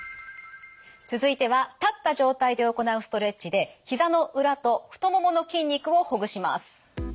続いては立った状態で行うストレッチでひざの裏と太ももの筋肉をほぐします。